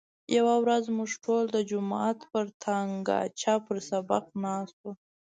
یوه ورځ موږ ټول د جومات پر تنګاچه پر سبق ناست وو.